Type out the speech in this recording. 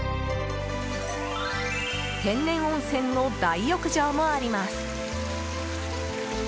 天然温泉の大浴場もあります。